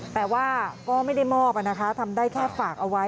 แต่ว่าก็ไม่ได้มอบนะคะทำได้แค่ฝากเอาไว้